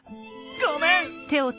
ごめん！